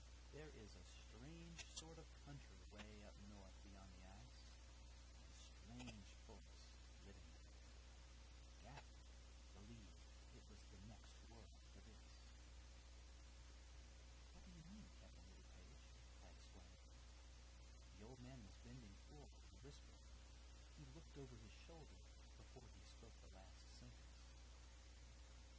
There is a strange sort of a country 'way up north beyond the ice, and strange folks living in it. Gaffett believed it was the next world to this." "What do you mean, Captain Littlepage?" I exclaimed. The old man was bending forward and whispering; he looked over his shoulder before he spoke the last sentence.